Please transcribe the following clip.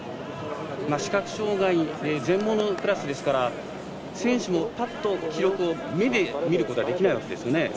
視覚障がい全盲のクラスですから選手も記録をぱっと、目で見ることはできないわけですね。